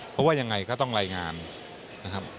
เพราะว่ายังไงก็ต้องรายงานนะครับ